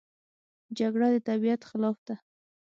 جګړه د طبیعت خلاف ده